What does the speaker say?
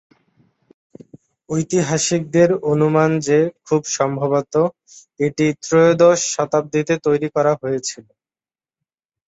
ঐতিহাসিকদের অনুমান যে খুব সম্ভবত এটি ত্রয়োদশ শতাব্দীতে তৈরি করা হয়েছিল।